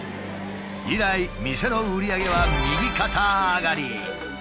以来店の売り上げは右肩上がり。